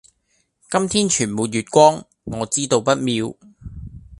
今天全沒月光，我知道不妙。